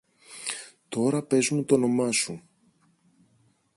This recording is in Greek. Τώρα πες μου τ' όνομα σου.